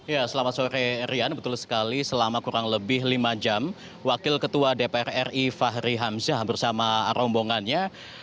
ya selamat sore rian betul sekali selama kurang lebih lima jam wakil ketua dpr ri fahri hamzah bersama rombongannya